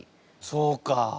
そうか。